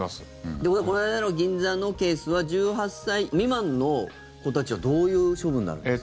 ということはこの間の銀座のケースは１８歳未満の子たちはどういう処分になるんですか？